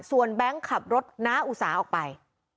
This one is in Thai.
ส่วนแบงค์ขับรถน้าอุสาออกไป